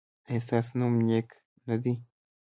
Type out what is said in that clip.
ایا ستاسو نوم نیک نه دی؟